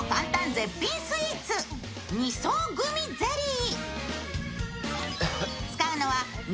絶品スイーツ２層グミゼリー。